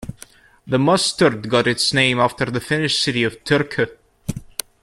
The mustard got its name after the Finnish city of Turku.